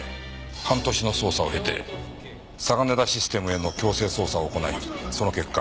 半年の捜査を経てサガネダ・システムへの強制捜査を行いその結果。